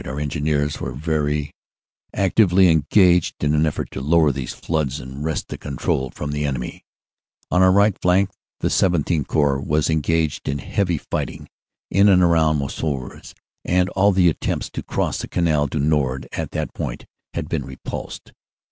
Our Engineers were very actively engaged in an effort to lower these floods and wrest the control from the enemy. "On the right flank the XVII Corps was engaged in heavy fighting in and around Mosuvres, and all their attempts to cross the Canal du Nord at that point had been repulsed.